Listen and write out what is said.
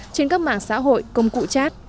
trên các mạng xã hội công cụ chat